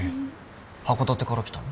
函館から来たの？